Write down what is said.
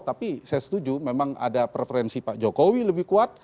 tapi saya setuju memang ada preferensi pak jokowi lebih kuat